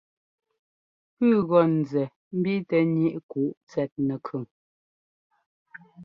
Puu gɔ́ nzɛ mbiitɛ ŋíʼ kǔ tsɛt nɛkʉn.